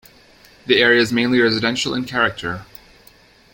The area is mainly residential in character.